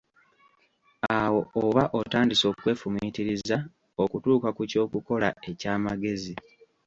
Awo oba otandise okwefumiitiriza okutuuka ku ky'okukola eky'amagezi